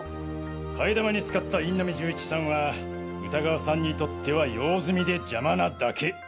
替え玉に使った印南銃一さんは歌川さんにとっては用済みで邪魔なだけ。